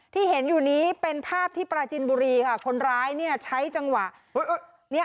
ที่เห็นอยู่นี้เป็นภาพที่ปราจินบุรีค่ะคนร้ายเนี่ยใช้จังหวะเนี้ย